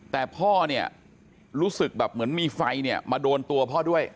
แต่พ่อรู้สึกแบบเหมือนมีไฟมาโดนตัวพ่อด้วย